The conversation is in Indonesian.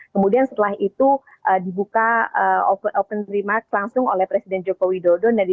kemudian setelah itu dibuka open remark langsung oleh presiden joko widodo